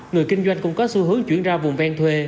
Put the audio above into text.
người kinh doanh cũng có xu hướng chuyển ra vùng ven thuê